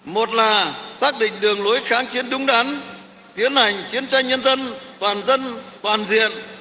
một là xác định đường lối kháng chiến đúng đắn tiến hành chiến tranh nhân dân toàn dân toàn diện